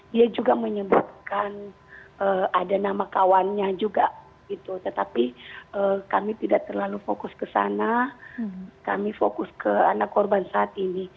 dia juga menyebutkan ada nama kawannya juga tetapi kami tidak terlalu fokus ke sana kami fokus ke anak korban saat ini